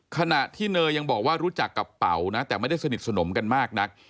ขณะที่เนยยังบอกว่ารู้จักกับเป๋านะแต่ไม่ได้สนิทสนมกันมากนัก